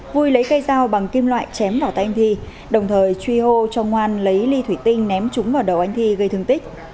vui lấy cây dao bằng kim loại chém vào tay anh thi đồng thời truy hô cho ngoan lấy ly thủy tinh ném trúng vào đầu anh thi gây thương tích